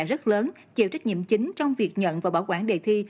rất lớn chịu trách nhiệm chính trong việc nhận và bảo quản đề thi